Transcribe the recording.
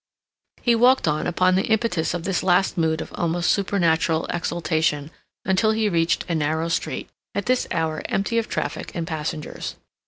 He walked on upon the impetus of this last mood of almost supernatural exaltation until he reached a narrow street, at this hour empty of traffic and passengers.